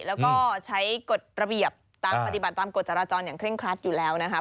แล้วก็ใช้กฎระเบียบปฏิบัติตามกฎจราจรอย่างเร่งครัดอยู่แล้วนะครับ